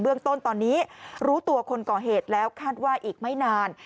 เรื่องต้นตอนนี้รู้ตัวคนก่อเหตุแล้วคาดว่าอีกไม่นาน